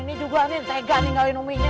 ini juga nih tega ninggalin umi ini